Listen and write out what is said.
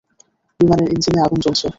বিমানের ইঞ্জিনে আগুন জ্বলছে।